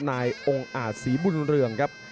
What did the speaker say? นายองค์อาจศรีบุญเรืองครับ